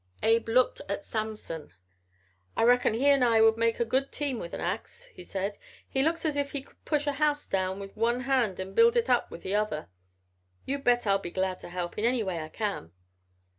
Abe looked at Samson. "I reckon he and I would make a good team with the ax," he said. "He looks as if he could push a house down with one hand and build it up with the other. You can bet I'll be glad to help in any way I can."